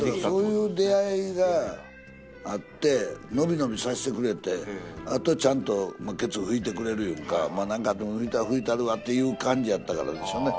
そういう出会いがあってのびのびさしてくれてあとちゃんとケツ拭いてくれるいうんかまあ何かあっても拭いたるわっていう感じやったからでしょうね。